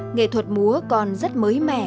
nghệ thuật múa còn rất mới mẻ